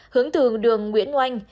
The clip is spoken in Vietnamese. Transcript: hướng từ đường nguyễn oanh